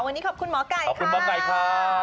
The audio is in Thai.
วันนี้ขอบคุณหมอไก่ขอบคุณหมอไก่ครับ